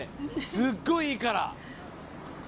すっごい、いいから！